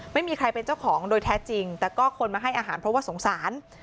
ไม่มีใครเป็นเจ้าของโดยแท้จริงแต่ก็คนมาให้อาหารเพราะว่าสงสาร